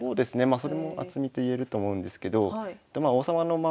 それも厚みといえると思うんですけど王様の周りにここら辺。